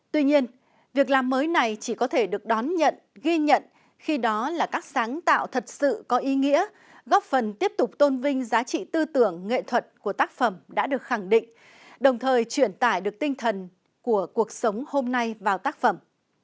tuy nhiên việc làm mới này chỉ có thể được đón nhận ghi nhận khi đó là các sáng tạo thật sự có ý nghĩa góp phần tiếp tục tôn vinh giá trị tư tưởng nghệ thuật của tác phẩm đã được khẳng định đồng thời truyền tải được tinh thần của cuộc sống hôm nay vào tác phẩm